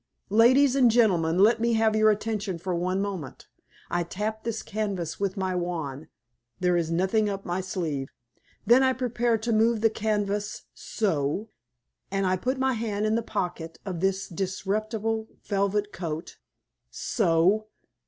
Ladies and gentlemen, let me have your attention for one moment. I tap this canvas with my wand there is nothing up my sleeve. Then I prepare to move the canvas so. And I put my hand in the pocket of this disreputable velvet coat, so.